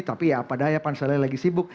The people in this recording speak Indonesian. tapi ya padahal ya panselnya lagi sibuk